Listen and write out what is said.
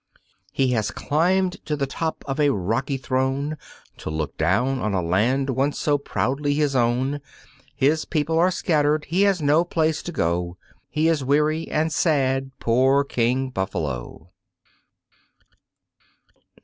He has climbed to the top of a rocky throne To look down on a land once so proudly his own, His people are scattered, he has no place to go, He is weary and sad, poor King Buffalo.